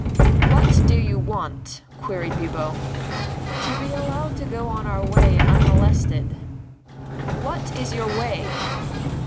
"What do you want?" queried Bibot. "To be allowed to go on our way unmolested." "What is your way?"